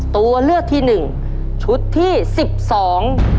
ตัวเลือกที่หนึ่งชุดที่สิบสอง